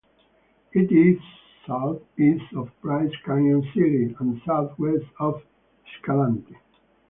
It is southeast of Bryce Canyon City and southwest of Escalante.